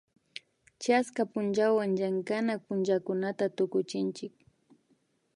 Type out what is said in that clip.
chaska punllawan llankanak pullakunata tukuchinchik